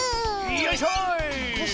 よいしょい！